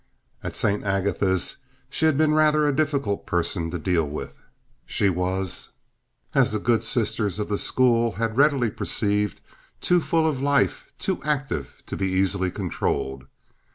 At St. Agatha's she had been rather a difficult person to deal with. She was, as the good sisters of the school had readily perceived, too full of life, too active, to be easily controlled.